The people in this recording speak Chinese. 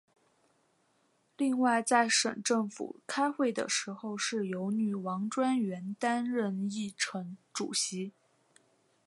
另外在省政府开会的时候是由女王专员担任议程主席。